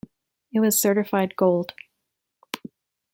It was certified gold.